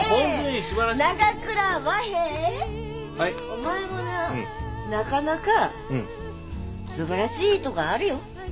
お前もななかなか素晴らしいとこあるよ。